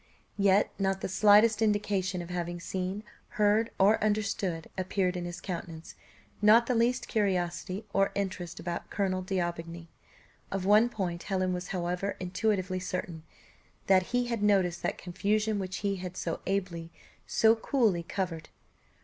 Yet not the slightest indication of having seen, heard, or understood, appeared in his countenance, not the least curiosity or interest about Colonel D'Aubigny. Of one point Helen was however intuitively certain, that he had noticed that confusion which he had so ably, so coolly covered.